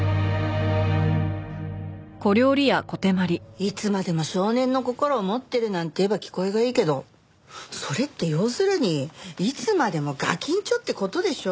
いつまでも少年の心を持ってるなんて言えば聞こえがいいけどそれって要するにいつまでもガキンチョって事でしょ？